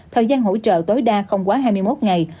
thời gian hỗ trợ tối đa không quá hai mươi một ngày